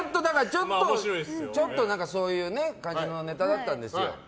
ちょっと、そういう感じのネタだったんですよ。